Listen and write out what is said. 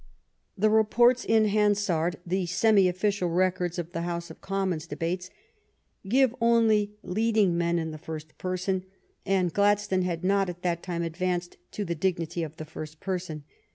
The reports in Hansard, the semi official records of the House of Commons debates, give only leading men in the first person, and Gladstone had not at that time advanced to the dignity of the first person.